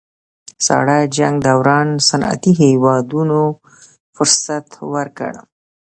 ساړه جنګ دوران صنعتي هېوادونو فرصت ورکړ